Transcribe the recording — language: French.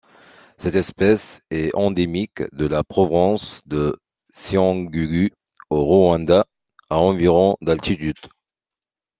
Cette espèce est endémique de la province de Cyangugu au Rwanda, à environ d'altitude.